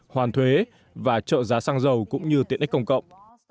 hoàn thuế và trợ giá xăng dầu cũng như tiện ích công cộng